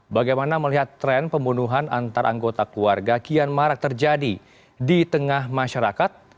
bagaimana melihat tren pembunuhan antar anggota keluarga kian marak terjadi di tengah masyarakat